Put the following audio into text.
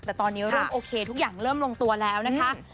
แต่ตอนนี้เริ่มโอเคทุกอย่างเริ่มลงตัวแล้วนะคะ